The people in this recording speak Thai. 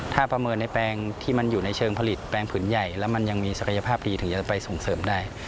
ถ้าประเมินในแปลงที่มันอยู่ในเชิงผลิตแปลงผืนใหญ่แล้วมันยังมีศักยภาพดีถึงจะไปส่งเสริมได้